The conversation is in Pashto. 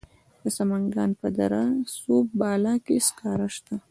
د سمنګان په دره صوف بالا کې سکاره شته.